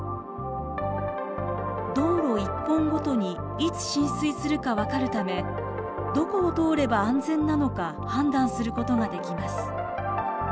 道路一本ごとにいつ浸水するか分かるためどこを通れば安全なのか判断することができます。